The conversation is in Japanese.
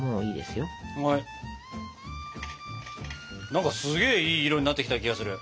すげえいい色になってきた気がする。